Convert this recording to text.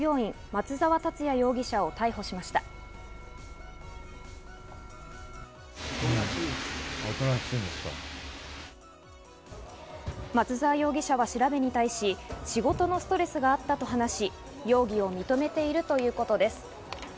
松沢容疑者は調べに対し、仕事のストレスがあったと話し、容疑を認めているということです。